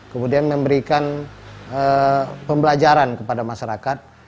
kemudian memberikan pembelajaran kepada masyarakat